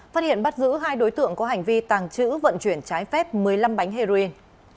phát hiện bắt giữ hai đối tượng có hành vi tàng trữ vận chuyển trái phép một mươi năm bánh heroin